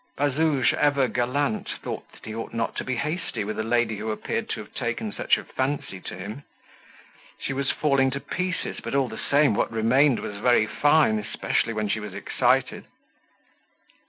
Bazouge, ever gallant, thought that he ought not to be hasty with a lady who appeared to have taken such a fancy to him. She was falling to pieces, but all the same, what remained was very fine, especially when she was excited.